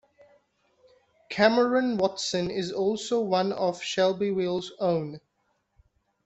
Cameron Watson is also one of Shelbyville's own.